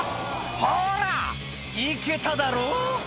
「ほら行けただろ！」